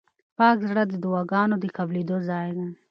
پاک زړه د دعاګانو د قبلېدو ځای دی.